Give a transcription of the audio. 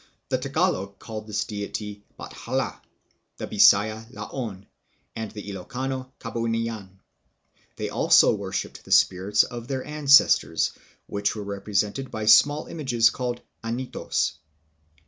The Tagalogs called this deity Bathala, 1 the Bisayas, Loon, and the Ilokanos, Kabunian. They also worshiped the spirits of their an cestors, which were represented by small images called "anitos."